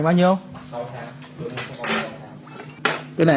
sợ bị gió biên tắc